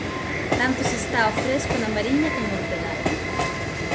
Tanto se está ao fresco na Mariña que en Ortegal.